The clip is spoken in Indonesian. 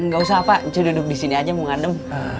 gak usah apa saya duduk di sini aja mau ngandem